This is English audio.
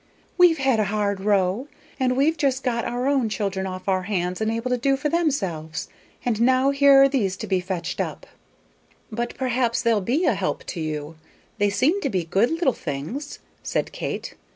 "We've had a hard row, and we've just got our own children off our hands and able to do for themselves, and now here are these to be fetched up." "But perhaps they'll be a help to you; they seem to be good little things," said Kate.